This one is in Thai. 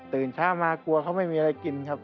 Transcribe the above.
เช้ามากลัวเขาไม่มีอะไรกินครับ